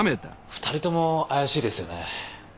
２人とも怪しいですよね？